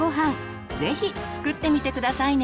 ぜひ作ってみて下さいね。